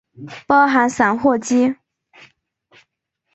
包含散货机。